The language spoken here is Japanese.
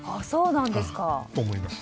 そうなんですか。